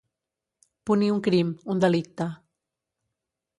Punir un crim, un delicte.